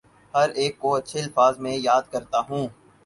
ہر ایک کو اچھے الفاظ میں یاد کرتا ہوں